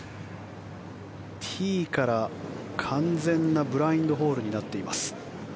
ティーから完全なブラインドホールになっています。